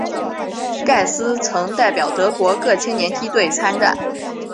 盖斯曾代表德国各青年梯队参战。